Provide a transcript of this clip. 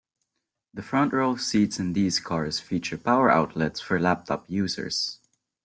The front row of seats in these cars feature power outlets for laptop users.